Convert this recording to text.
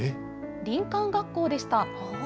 林間学校でした。